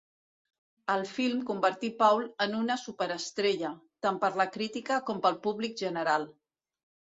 El film convertí Paul en una superestrella, tant per la crítica com pel públic general.